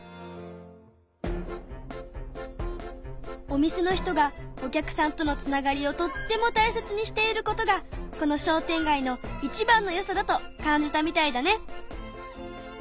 お店の人がお客さんとのつながりをとってもたいせつにしていることがこの商店街のいちばんのよさだと感じたみたいだね。